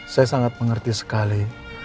saya sangat mengerti sekali